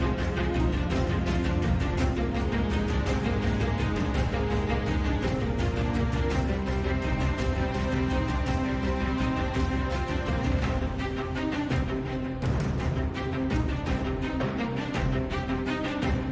สามเส้นหกบาท